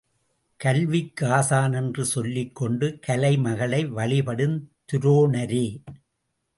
கல்விக்கு ஆசான் என்று சொல்லிக் கொண்டு கலைமகளை வழிபடும் துரோணரே!